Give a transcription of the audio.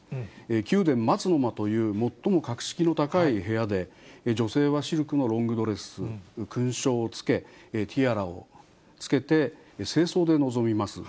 宮殿・松の間という、最も格式の高い部屋で、女性はシルクのロングドレス、勲章をつけ、ティアラをつけて正装で臨みます。